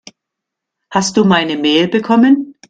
Hast du meine Mail bekommen?